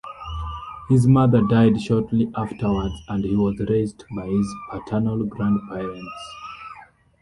His mother died shortly afterwards and he was raised by his paternal grandparents.